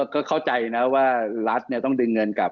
ก็เข้าใจนะว่ารัฐต้องดึงเงินกลับ